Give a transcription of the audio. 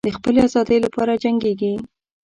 د خپلې آزادۍ لپاره جنګیږي.